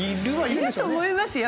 いると思いますよ。